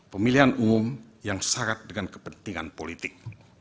pemilihan umum yang syarat dengan kepentingan politik